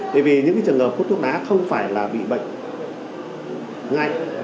bởi vì những trường hợp hút thuốc lá không phải là bị bệnh ngay